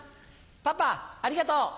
パパありがとう。